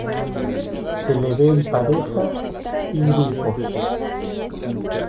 Se le ve en parejas y grupos.